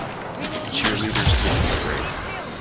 cheerleaders taking a break